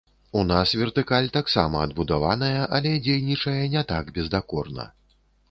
У нас вертыкаль таксама адбудаваная, але дзейнічае не так бездакорна.